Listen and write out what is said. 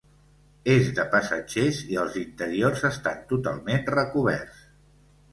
És de passatgers i els interiors estan totalment recoberts.